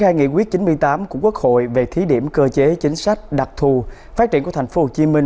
theo nghị quyết chín mươi tám của quốc hội về thí điểm cơ chế chính sách đặc thù phát triển của tp hcm